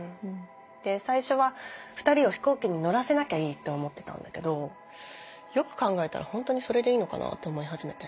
で最初は２人を飛行機に乗らせなきゃいいと思ってたんだけどよく考えたらホントにそれでいいのかなって思い始めて。